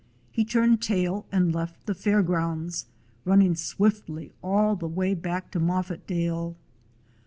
H e turned tail and left the fair grounds, running swiftly all the way back to Moffatdale.